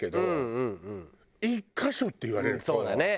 そうだね。